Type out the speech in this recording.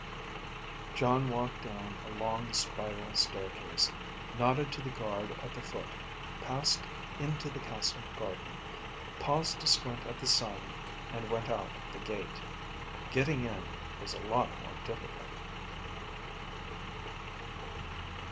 Jon walked down a long spiral staircase, nodded to the guard at the foot, passed into the castle garden, paused to squint at the sun, and went out the gate. Getting in was a lot more difficult.